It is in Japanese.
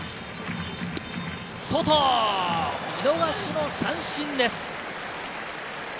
外、見逃しの三振です。